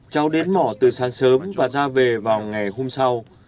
cháu đến mỏ từ sáng sớm và ra về vào ngày hôm sau